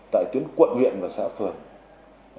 tại tuyến quận huyện và xã phường